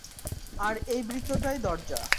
আর এই বৃত্তটাই দরজা।